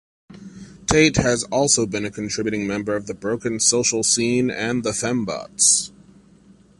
Tait has also been a contributing member of Broken Social Scene and The FemBots.